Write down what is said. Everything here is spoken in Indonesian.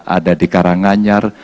ada di karanganyar